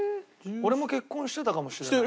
俺も結婚してたかもしれない。